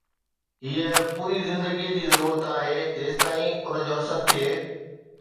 ھيءَ پوري زندگي جي ضرورت آھي جيستائين ان جو اثر ٿئي